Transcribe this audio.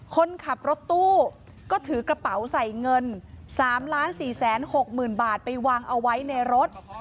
คนขับรถตู้ก็ถือกระเป๋าใส่เงิน๓๔๖๐๐๐บาทไปวางเอาไว้ในรถ